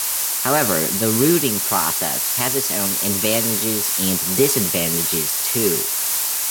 However, the rooting process has its own advantages and disadvantages too.